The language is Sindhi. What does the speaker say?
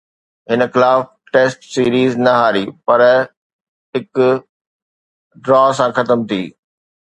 هن خلاف ٽيسٽ سيريز نه هاري، پر هڪ ڊرا سان ختم ٿي.